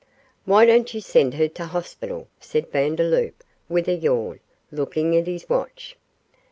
'Why don't you send her to the hospital?' said Vandeloup, with a yawn, looking at his watch.